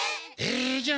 「え！？」